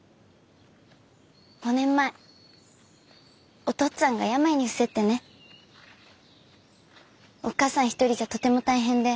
５年前お父っつぁんが病に臥せってねおっ母さん一人じゃとても大変で。